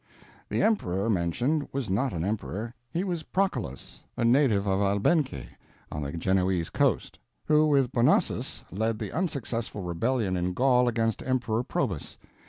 The "emperor" mentioned was not an emperor; he was Procolus, a native of Albengue, on the Genoese coast, who, with Bonosus, led the unsuccessful rebellion in Gaul against Emperor Probus.